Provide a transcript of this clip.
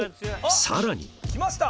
さらに来ました！